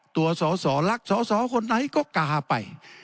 ตัวสอสอรักสอสอคนไหนก็กาไป